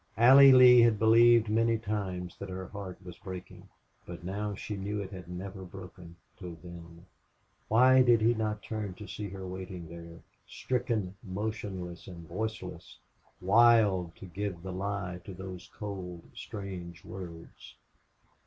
Allie Lee had believed many times that her heart was breaking, but now she knew it had never broken till then. Why did he not turn to see her waiting there stricken motionless and voiceless, wild to give the lie to those cold, strange words?